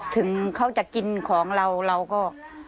ถึงเขาจะกินของเราเราก็